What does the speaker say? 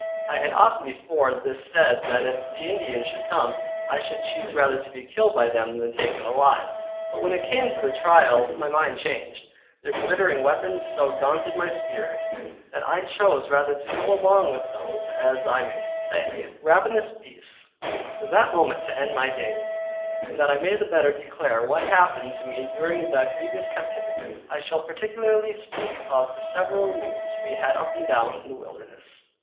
I had often before this said that if the Indians should come, I should choose rather to be killed by them than taken alive, but when it came to the trial my mind changed; their glittering weapons so daunted my spirit, that I chose rather to go along with those (as I may say) ravenous beasts, than that moment to end my days; and that I may the better declare what happened to me during that grievous captivity, I shall particularly speak of the several removes we had up and down the wilderness.